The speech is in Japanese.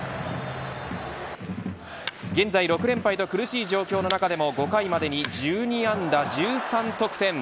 現在６連敗と苦しい状況の中でも５回までに１２安打１３得点。